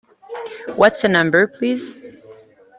What's the number, please?